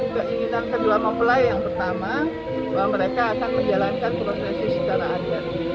keinginan kedua mempelai yang pertama bahwa mereka akan menjalankan prosesi secara adat